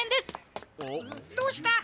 どうした？